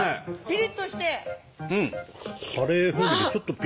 ピリッとして。